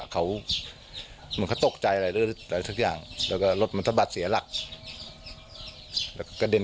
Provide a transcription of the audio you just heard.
เขาจะขี่บนนี้กัน